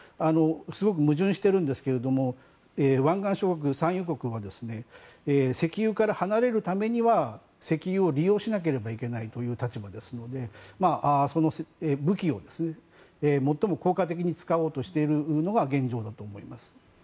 すごく矛盾してるんですけども湾岸諸国、産油国は石油から離れるためには石油を利用しなければいけないという立場ですので、その武器を最も効果的に使おうとしているのが現状だと思います。